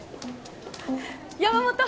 山本！